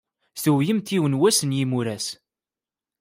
Tuwyemt yiwen wass n yimuras.